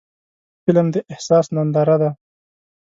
فلم د احساس ننداره ده